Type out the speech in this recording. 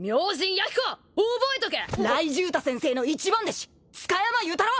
雷十太先生の一番弟子塚山由太郎！